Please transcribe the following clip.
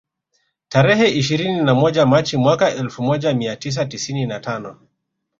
Tarehe ishirini na moja Machi mwaka elfu moja mia tisa tisini na tano